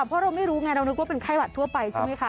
น่ากลัวว่าเราเป็นไข้ทั่วไป